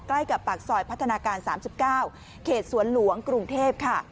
ใกล้กับปากซอยพัฒนาการ๓๙เขตสวนหลวงกรุงเทพค่ะ